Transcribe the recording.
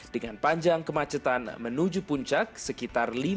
dengan panjang kemacetan menuju puncak sekitar